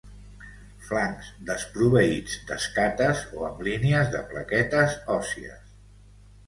Flancs desproveïts d'escates o amb línies de plaquetes òssies.